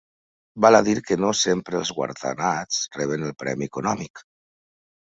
Val a dir que no sempre els guardonats reben el premi econòmic.